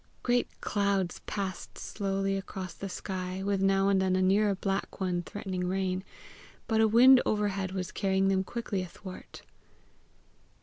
Great white clouds passed slowly across the sky, with now and then a nearer black one threatening rain, but a wind overhead was carrying them quickly athwart.